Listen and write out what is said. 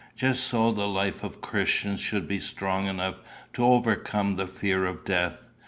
Just so the life of Christians should be strong enough to overcome the fear of death.